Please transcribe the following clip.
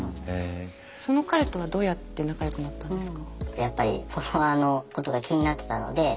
その彼とはどうやって仲よくなったんですか？